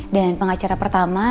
dan pengacara pertama